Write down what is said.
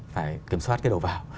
phải kiểm soát cái đầu vào